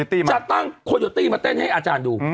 จะตั้งโคโยตี้มาเต้นให้อาจารย์ดู